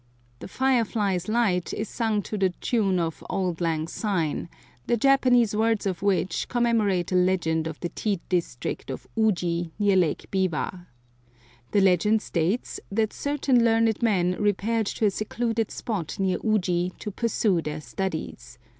"The fire fly's light" is sung to the tune of "Auld lang syne," the Japanese words of which commemorate a legend of the tea district of Uji near Lake Biwa. The legend states that certain learned men repaired to a secluded spot near Uji to pursue their studies.